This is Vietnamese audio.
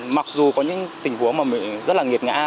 mặc dù có những tình huống mà mình rất là nghiệt ngã